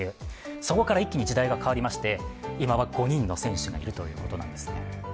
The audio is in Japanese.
そこから一気に時代が変わりまして、今は５人の選手がいるということなんですね。